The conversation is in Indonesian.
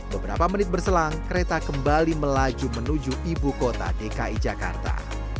beberapa menit berselang kereta kembali melaju menuju ibu kota dki jakarta